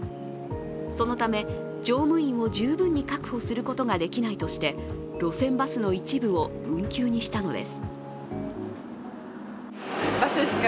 そのため乗務員を十分に確保することができないとして路線バスの一部を運休にしたのです。